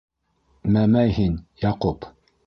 - Мәмәй һин, Яҡуп.